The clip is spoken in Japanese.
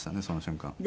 その瞬間。